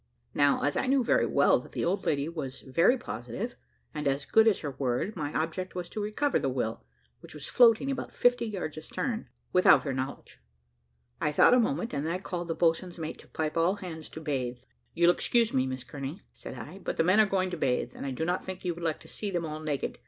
Now, as I knew very well that the old lady was very positive, and as good as her word, my object was to recover the will, which was floating about fifty yards astern, without her knowledge. I thought a moment, and then I called the boatswain's mate to pipe all hands to bathe. `You'll excuse me, Miss Kearney,' said I, `but the men are going to bathe, and I do not think you would like to see them all naked.